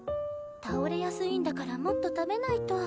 倒れやすいんだからもっと食べないと。